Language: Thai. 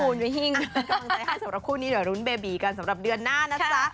คุณเป็นกำลังใจให้สำหรับคู่นี้เดี๋ยวรุ้นเบบีกันสำหรับเดือนหน้านะจ๊ะ